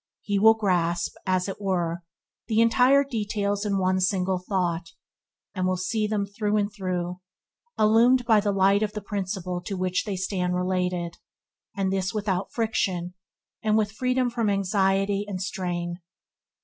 He will grasp, as it were, the entire details in one single thought, and will see them through and through, illumined by the light of the principle to which they stand related, and this without friction, and with freedom from anxiety and strain.